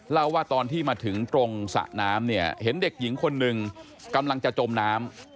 เล่าว่าตอนที่มาถึงตรงสระน้ำเนี่ยเห็นเด็กหญิงคนหนึ่งกำลังจะจมน้ำ